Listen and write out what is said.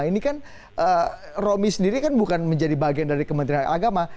ini kan romi sendiri kan bukan menjadi bagian dari kementerian agama